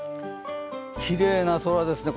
きれいな空ですね